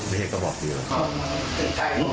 ไม่เห็นก็บอกดีกว่าอ๋อ